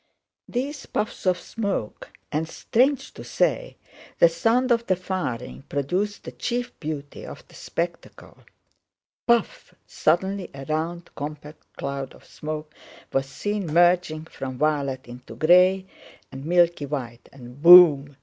These puffs of smoke and (strange to say) the sound of the firing produced the chief beauty of the spectacle. "Puff!"—suddenly a round compact cloud of smoke was seen merging from violet into gray and milky white, and "boom!"